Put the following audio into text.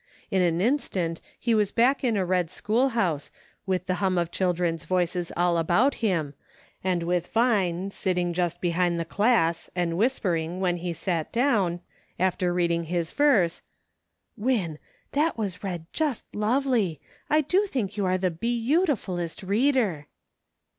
In an instant he was back in a red schoolhouse, with the hum of children's voices all about him, and with Vine sitting just behind the class and whispering, when he sat down, after reading his verse : "Win, that was read just lovely. I do think you are the b e autifulest reader!"